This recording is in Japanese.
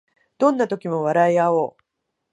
どんな時も笑いあおう